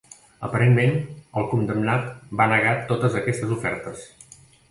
Aparentment, el condemnat va negar totes aquestes ofertes.